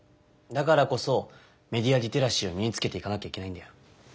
だからこそメディア・リテラシーを身につけていかなきゃいけないんだよ。